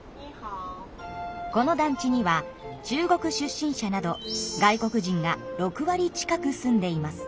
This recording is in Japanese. この団地には中国出身者など外国人が６割近く住んでいます。